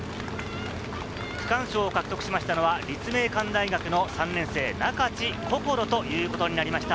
区間賞を獲得しましたのは立命館大学の３年生、中地こころということになりました。